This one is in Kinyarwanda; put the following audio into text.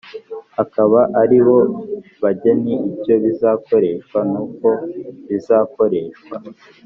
akaba aribo bagena icyo bizakoreshwa nuko bizakoreshwa